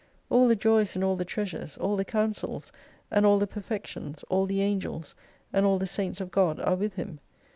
All the joys and all the treasures, all the counsels, and all the perfections, all the angels, and all the saints of God are with him.